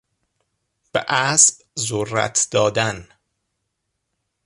به اسب ذرت دادن